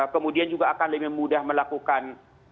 kemudian juga akan lebih mudah melakukan